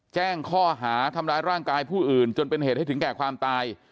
แจ้งข้อหาทำร้ายร่างกายผู้อื่นจนเป็นเหตุให้ถึงแก่ความตาย